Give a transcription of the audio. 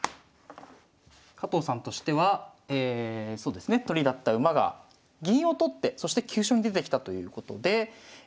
加藤さんとしてはえ取りだった馬が銀を取ってそして急所に出てきたということで。